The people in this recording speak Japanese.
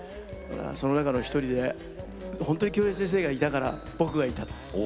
その中の１人で本当に京平先生がいたから僕がいた。